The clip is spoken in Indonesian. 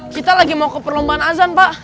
kita lagi mau ke perlombaan azan pak